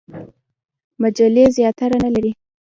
مجلې زیاتره نه لري.